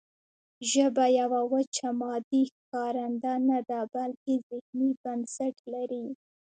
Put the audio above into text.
ژبه یوه وچه مادي ښکارنده نه ده بلکې ذهني بنسټ لري